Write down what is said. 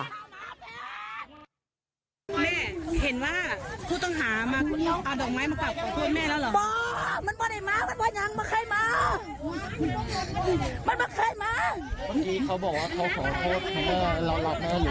แม่เห็นว่าผู้ต้องหามาคุณน้องเอาดอกไม้มากราบขอโทษแม่แล้วเหรอ